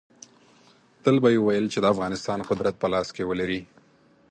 تل به یې ویل چې د افغانستان قدرت په لاس کې ولري.